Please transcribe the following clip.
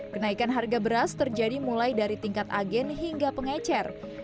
kenaikan harga beras terjadi mulai dari tingkat agen hingga pengecer